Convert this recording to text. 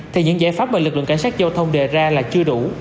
thì những giải pháp mà lực lượng cảnh sát giao thông đề ra là chưa đủ